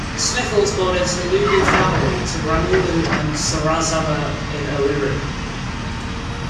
Smitha was born in a Telugu family to Ramallu and Sarasamma in Eluru.